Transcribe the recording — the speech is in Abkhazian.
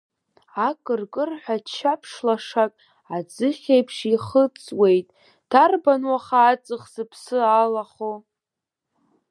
Акыр-кырҳәа ччаԥшь лашак аӡыхь еиԥш ихыҵуеит, дарбан уаха аҵых зыԥсы алахо?